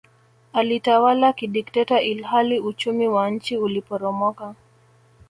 Alitawala kidikteta ilhali uchumi wa nchi uliporomoka